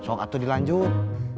sok atau dilanjut